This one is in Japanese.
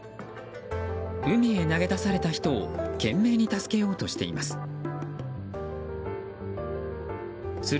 海へ投げ出された人を懸命に助けようとしています。